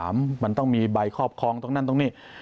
มันต้องมีใบครอบครองตรงนั้นตรงนี้